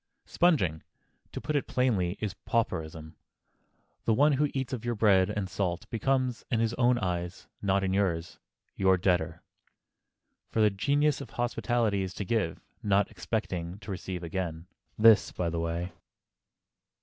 Sponging—to put it plainly—is pauperism. The one who eats of your bread and salt becomes, in his own eyes—not in yours—your debtor. For the very genius of hospitality is to give, not expecting to receive again. (This by the way!)